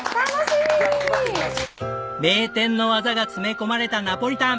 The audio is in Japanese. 名店の技が詰め込まれたナポリタン。